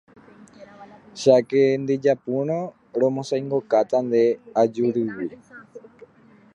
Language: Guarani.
cháke ndejapúrõ romosãingokáta nde ajúrigui.